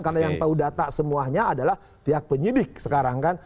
karena yang tahu data semuanya adalah pihak penyidik sekarang kan